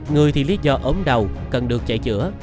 người thì lý do ốm đầu cần được chạy chữa